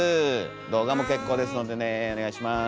動画も結構ですのでねお願いします。